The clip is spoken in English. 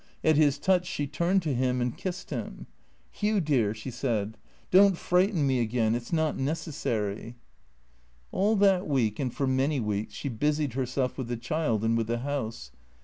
At his touch she turned to him and kissed him. " Hugh, dear," she said, " don't frighten me again. It 's not necessary." All that week, and for many weeks, she busied herself with the child and with the house.